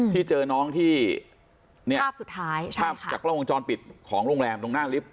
ที่เจอน้องที่ภาพสุดท้ายใช่ค่ะภาพจากโลงพยาบาลปิดของโรงแรมตรงหน้าลิฟต์